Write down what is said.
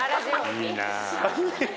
いいなぁ。